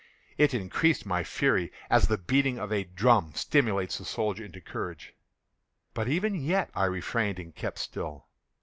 It increased my fury, as the beating of a drum stimulates the soldier into courage. But even yet I refrained and kept still.